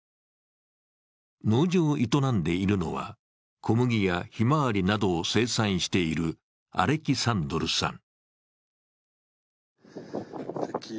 農場を営んでいるのは、小麦やひまわりなどを生産しているアレキサンドルさん。